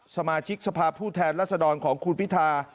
สมาชิกสภาพผู้แทนรัศดรของคุณพิธา